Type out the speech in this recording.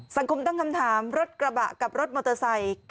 สังคมตั้งคำถามรถกระบะกับรถมอเตอร์ไซค์